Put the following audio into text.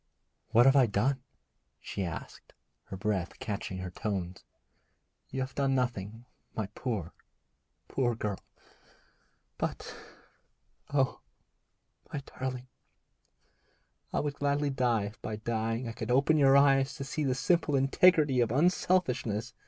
What have I done?' she asked, her breath catching her tones. 'You have done nothing, my poor, poor girl; but oh, my darling, I would gladly die if by dying I could open your eyes to see the simple integrity of unselfishness!'